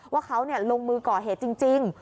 ว่าเขาลงมือก่อเหตุจริง